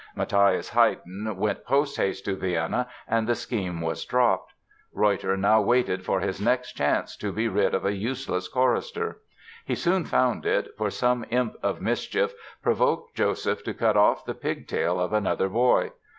Mathias Haydn went post haste to Vienna and the scheme was dropped. Reutter now waited for his next chance to be rid of a useless chorister. He soon found it, for some imp of mischief provoked Joseph to cut off the pig tail of another boy.